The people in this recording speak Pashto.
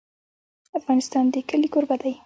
افغانستان د کلي کوربه دی.